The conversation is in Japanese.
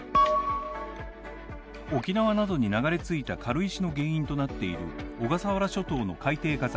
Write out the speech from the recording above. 沖縄などに流れ着いた軽石の原因となっている小笠原諸島の海底火山